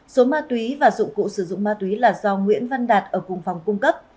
số ma túy và dụng cụ sử dụng ma túy là do nguyễn văn đạt ở cùng phòng cung cấp